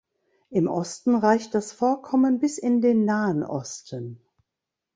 Im Osten reicht das Vorkommen bis in den Nahen Osten.